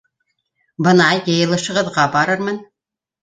Бына йыйылышығыҙға барырмын.